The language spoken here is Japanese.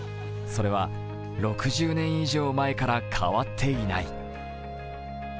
それは６０年以上前から変わっていない。